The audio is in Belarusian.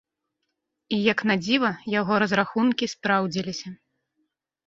І, як надзіва, яго разрахункі спраўдзіліся.